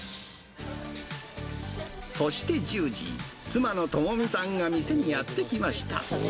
そして１０時、妻の友美さんが店にやって来ました。